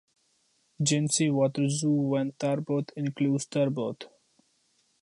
"Gentse Waterzooi van Tarbot" includes turbot.